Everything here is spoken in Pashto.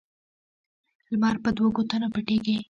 لمر په دوو ګوتو نه پټېږي